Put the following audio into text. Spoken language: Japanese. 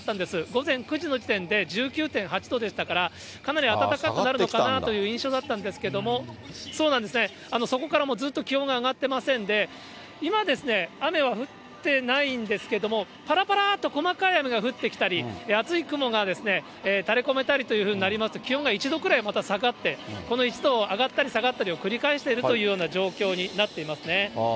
午前９時の時点で１９．８度でしたから、かなり暖かくなるのかなぁという印象だったんですけども、そこからもう、ずっと気温が上がってませんで、今ですね、雨は降ってないんですけども、ぱらぱらっと細かい雨が降ってきたり、厚い雲が垂れこめたりというふうになりますと、気温が１度くらい、また下がって、この１度、上がったり下がったりを繰り返してるというような状況になっていますね。